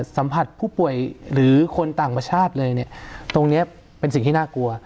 สัมผัสผู้ป่วยหรือคนต่างประเทศเลยเนี่ยตรงนี้เป็นสิ่งที่น่ากลัว